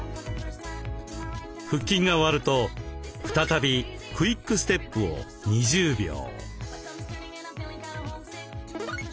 腹筋が終わると再びクイック・ステップを２０秒。